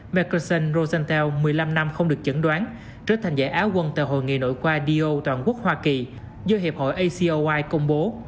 mekerson rosenthal một mươi năm năm không được chẩn đoán trở thành giải áo quân tại hội nghị nội khoa do toàn quốc hoa kỳ do hiệp hội acoi công bố